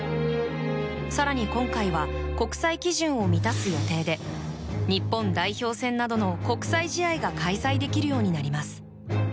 更に、今回は国際基準を満たす予定で日本代表戦などの国際試合が開催できるようになります。